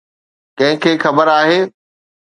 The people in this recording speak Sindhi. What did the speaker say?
ڪنهن کي خبر آهي.